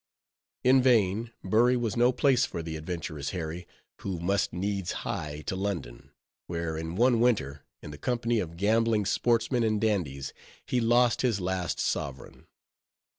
In vain. Bury was no place for the adventurous Harry, who must needs hie to London, where in one winter, in the company of gambling sportsmen and dandies, he lost his last sovereign.